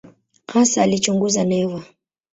Hasa alichunguza neva.